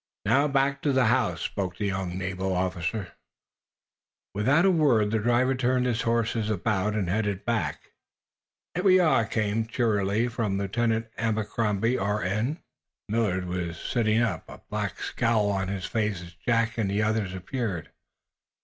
"Now, back to the house," spoke the young naval officer. Without a word the driver turned his horses about, heading back. "Here we are!" came, cheerily, from Lieutenant Abercrombie, R.N. Millard was sitting up, a black scowl on his face as Jack and the others appeared.